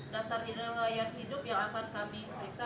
dasar hidup yang akan kami periksa